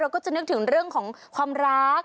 ก็จะนึกถึงเรื่องของความรัก